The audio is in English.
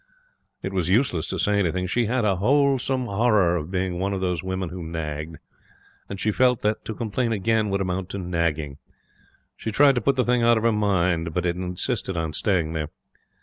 It was useless to say anything. She had a wholesome horror of being one of those women who nagged; and she felt that to complain again would amount to nagging. She tried to put the thing out of her mind, but it insisted on staying there.